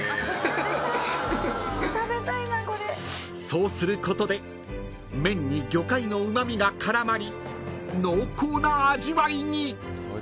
［そうすることで麺に魚介のうま味が絡まり濃厚な味わいに］